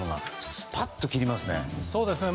スパっと切りますね。